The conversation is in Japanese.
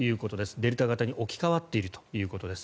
デルタ型に置き換わっているということです。